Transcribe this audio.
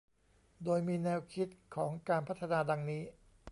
โดยมีแนวคิดของการพัฒนาดังนี้